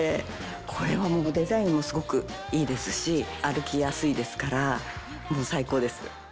これはもうデザインもすごくいいですし歩きやすいですからもう最高です。